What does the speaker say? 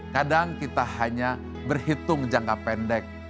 kadang kita hanya berhitung jangka pendek